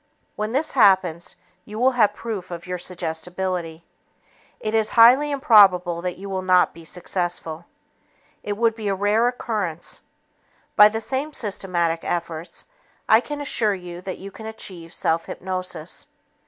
When this happens you will have proof of your suggestibility. It is highly improbable that you will not be successful. It would be a rare occurrence. By the same systematic efforts, I can assure you that you can achieve self hypnosis.